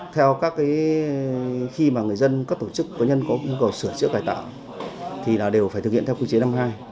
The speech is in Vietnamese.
theo các khi mà người dân các tổ chức cá nhân có nhu cầu sửa chữa cải tạo thì đều phải thực hiện theo quy chế năm hai